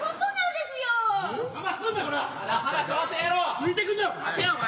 ついてくんなお前。